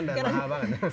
seharian dan mahal banget